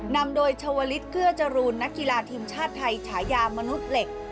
นำโดยชาวลิศเกื้อจรูนนักกีฬาทีมชาติไทยฉายามนุษย์เหล็ก